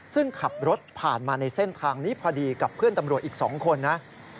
ซึ่งขับรถผ่านมาในเส้นทางนี้พอดีกับเพื่อนตำรวจอีก๒คนนะ